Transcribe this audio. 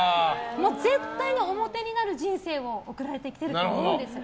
絶対におモテになる人生を送られてきていると思うんです。